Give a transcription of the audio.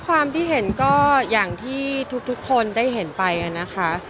ความที่เห็นก็อย่างที่ทุกคนได้เห็นไปนะคะ